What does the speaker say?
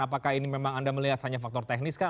apakah ini memang anda melihat hanya faktor teknis kah